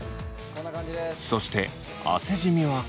そして汗じみはこちら。